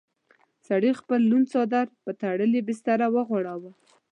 سړي خپل لوند څادر پر تړلې بستره وغوړاوه.